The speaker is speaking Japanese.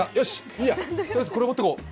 いいや、とりあえず、これ持っていこう。